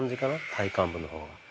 体幹部の方が。